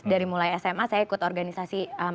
dari mulai sma saya ikut organisasi